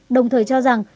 đồng thời cho rằng